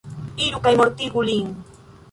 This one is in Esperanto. Iru kaj mortigu lin.